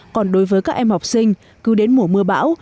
còn đối với các em học sinh cứ đến mùa mưa bão